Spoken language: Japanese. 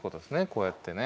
こうやってね。